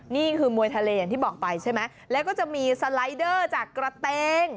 นี่คือมวยทะเลอย่างที่บอกไปใช่ไหมแล้วก็จะมีสไลเดอร์จากกระเตง